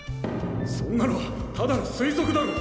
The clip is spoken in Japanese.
そんなのはただの推測だろ！